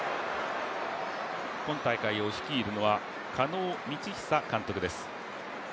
今大会を率いるのは狩野倫久監督です。